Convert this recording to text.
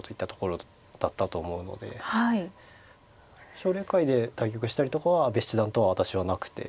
奨励会で対局したりとかは阿部七段と私はなくて。